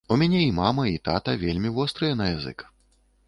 У мяне і мама, і тата вельмі вострыя на язык.